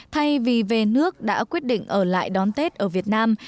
thay vì về nước đã quyết định ở lại đón tết ở việt nam